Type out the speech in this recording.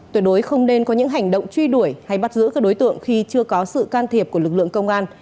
tuyệt đối không nên có những hành động truy đuổi hay bắt giữ các đối tượng khi chưa có sự can thiệp của lực lượng công an